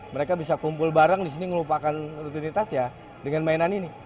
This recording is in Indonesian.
mereka bisa kumpul barang di sini ngelupakan rutinitas ya dengan mainan ini